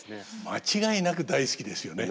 間違いなく好きですね。